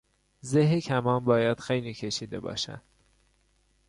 زه کمان باید خیلی کشیده باشد.